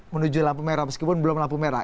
menuju lampu merah meskipun belum lampu merah